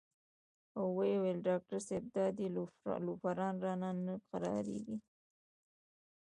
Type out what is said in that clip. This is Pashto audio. او وې ئې " ډاکټر صېب د اډې لوفران رانه نۀ قلاریږي